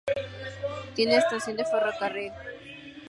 Tiene estación de ferrocarril.